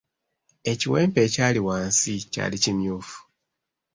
Ekiwempe ekyali wansi, kyali kimyufu.